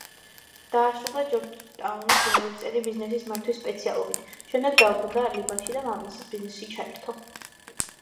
დაასრულა ჯორჯტაუნის უნივერსიტეტი ბიზნესის მართვის სპეციალობით, შემდეგ დაბრუნდა ლიბანში და მამამისის ბიზნესში ჩაერთო.